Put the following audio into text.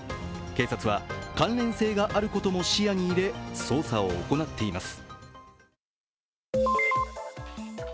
警察は関連性があることも視野に入れ捜査を行っています。